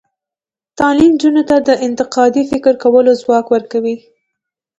تعلیم نجونو ته د انتقادي فکر کولو ځواک ورکوي.